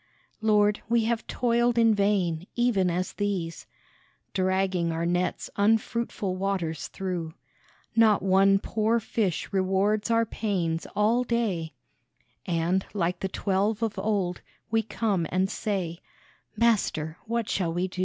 Lord, we have toiled in vain, even as these, Dragging our nets unfruitful waters through ; Not one poor fish rewards our pains all day, And, like the twelve of old, we come and say, "Master, what shall we do?